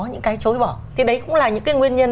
những cái chối bỏ thì đấy cũng là những cái nguyên nhân